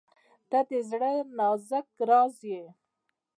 • ته د زړه نازک راز یې.